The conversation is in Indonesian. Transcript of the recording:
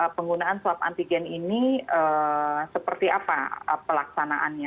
penggunaan swab antigen ini seperti apa pelaksanaannya